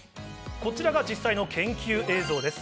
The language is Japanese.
こちらが実際の研究映像です。